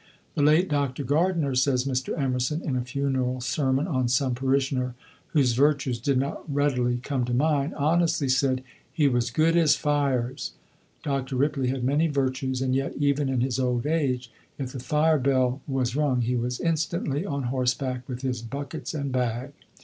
"The late Dr. Gardiner," says Mr. Emerson, "in a funeral sermon on some parishioner, whose virtues did not readily come to mind, honestly said, 'He was good at fires.' Dr. Ripley had many virtues, and yet, even in his old age, if the firebell was rung, he was instantly on horseback, with his buckets and bag."